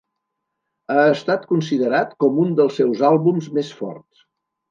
Ha estat considerat com un dels seus àlbums més forts.